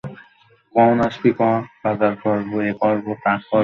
Sir, আমি এটা করতে পারব না।